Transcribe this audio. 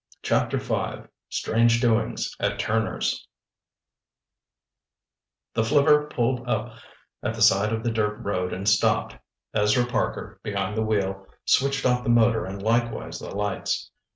Chapter V STRANGE DOINGS AT TURNER'S The flivver pulled up at the side of the dirt road and stopped. Ezra Parker, behind the wheel, switched off the motor and likewise the lights.